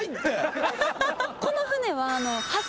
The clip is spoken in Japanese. この船は。